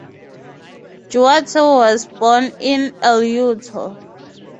Duarte was born in El Yuto.